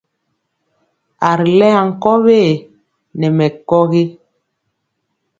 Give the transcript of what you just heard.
A ri lɛŋ ankɔwe nɛ mɔ kogi.